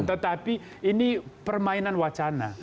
tetapi ini permainan wacana